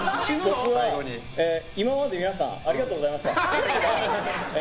今まで皆さんありがとうございました。